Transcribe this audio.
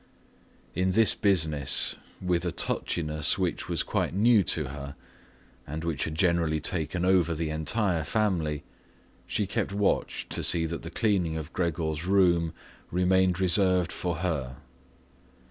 In this business, with a touchiness which was quite new to her and which had generally taken over the entire family, she kept watch to see that the cleaning of Gregor's room remained reserved for her.